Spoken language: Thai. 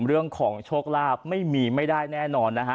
เรื่องของโชคลาภไม่มีไม่ได้แน่นอนนะฮะ